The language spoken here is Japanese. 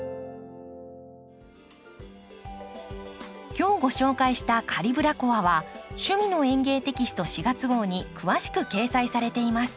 今日ご紹介した「カリブラコア」は「趣味の園芸」テキスト４月号に詳しく掲載されています。